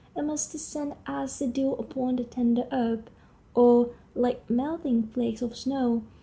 It must descend as the dew upon the tender herb, or like melting flakes of snow.